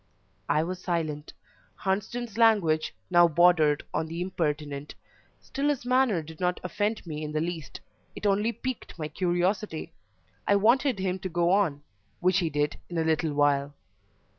I was silent. Hunsden's language now bordered on the impertinent, still his manner did not offend me in the least it only piqued my curiosity; I wanted him to go on, which he did in a little while.